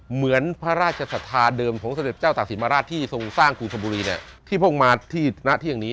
เหมือนพระราชศรษภาคกรรมเดิมของสมเด็จเจ้าตากสินมาราชที่ทรงสร้างกุธบุรีเนี่ย